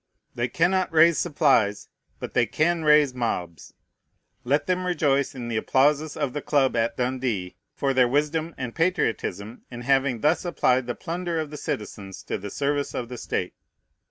They cannot raise supplies; but they can raise mobs. Let them rejoice in the applauses of the club at Dundee for their wisdom and patriotism in having thus applied the plunder of the citizens to the service of the state.